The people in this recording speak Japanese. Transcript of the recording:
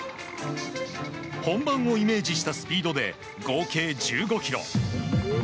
本番をイメージしたスピードで合計１５ｋｍ。